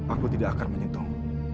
aku tidak akan menyentuh